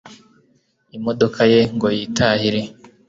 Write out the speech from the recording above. imodoka ye ngo yitahire